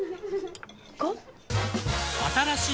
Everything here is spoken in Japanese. ５？